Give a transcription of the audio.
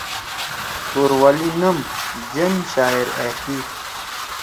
توروالی نم/جن شاعر أ تھی۔